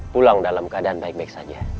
pulang dalam keadaan baik baik saja